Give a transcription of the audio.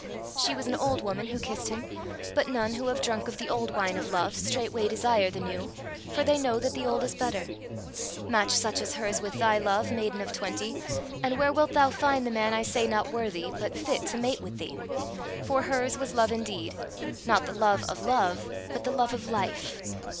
She was an old woman who kissed him; but none who have drunk of the old wine of love, straightway desire the new, for they know that the old is better. Match such as hers with thy love, maiden of twenty, and where wilt thou find the man I say, not worthy, but fit to mate with thee? For hers was love indeed not the love of love but the love of Life.